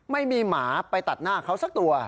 ไม่มีหมาไปตัดหน้าเขาสักตัว